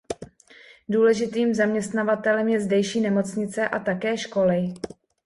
Důležitým zaměstnavatelem je zdejší nemocnice a také školy.